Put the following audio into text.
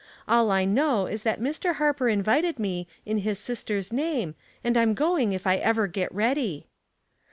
All I know is that Mr. Harper invited me, in his sister's name, and I'm going if I ever get ready."